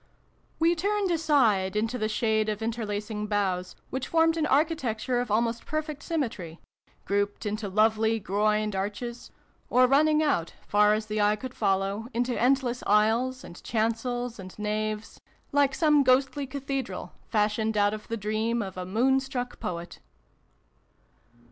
We turned aside into the shade of interlacing boughs, which formed an architecture of almost perfect symmetry, grouped into lovely groined 300 SYLVIE AND BRUNO CONCLUDED. arches, or running out, far as the eye could follow, into endless aisles, and chancels, and naves, like some ghostly cathedral, fashioned out of the dream of a moon struck poet.